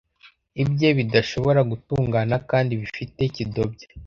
ibye bidashobora gutungana kandi bifite kidobya